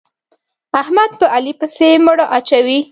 احمد په علي پسې مړه اچوي.